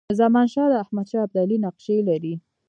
زمانشاه د احمدشاه ابدالي نقشې لري.